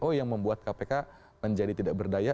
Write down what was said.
oh yang membuat kpk menjadi tidak berdaya